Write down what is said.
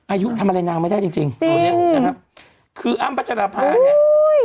อายุทำอะไรนางไม่ได้จริงจริงนะครับคืออ้ำปัจจันทร์ภาพเนี่ย